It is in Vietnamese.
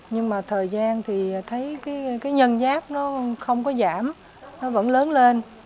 nhưng mà thời gian thì thấy cái nhân giáp nó không có giảm nó vẫn lớn lên